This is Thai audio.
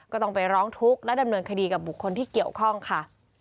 ก็ต้องไปร้องทุกข์และดำเนินคดีกับบุคคลที่เกี่ยวข้องค่ะ